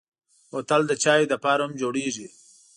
بوتل د چايو لپاره هم جوړېږي.